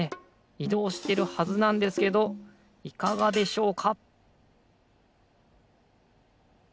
いどうしてるはずなんですけどいかがでしょうか？